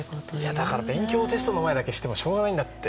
だから、勉強をテストの前にだけしてもしょうがないんだって。